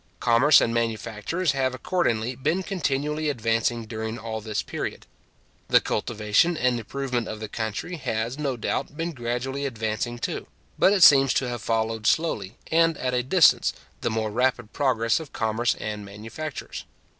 Commerce and manufactures have accordingly been continually advancing during all this period. The cultivation and improvement of the country has, no doubt, been gradually advancing too; but it seems to have followed slowly, and at a distance, the more rapid progress of commerce and manufactures.